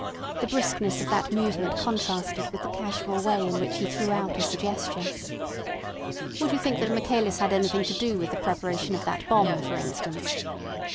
The briskness of that movement contrasted with the casual way in which he threw out a suggestion. "Would you think that Michaelis had anything to do with the preparation of that bomb, for instance?"